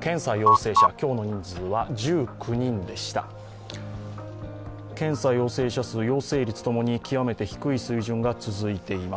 検査陽性者数、陽性率ともに極めて低い水準が続いています。